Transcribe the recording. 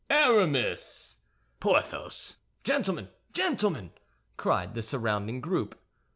"Aramis!" "Porthos!" "Gentlemen! Gentlemen!" cried the surrounding group.